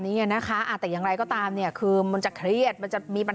ไม่ใช่ที่พักเราเนี่ย